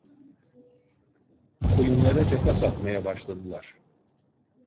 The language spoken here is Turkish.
Koyunlara caka satmaya başladılar.